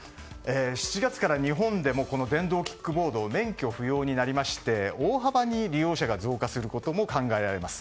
７月から日本でも電動キックボードが免許不要になりまして大幅に利用者が増加することも考えられます。